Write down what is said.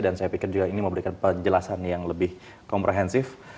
dan saya pikir ini juga memberikan penjelasan yang lebih komprehensif